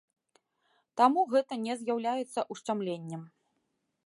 Таму гэта не з'яўляецца ушчамленнем.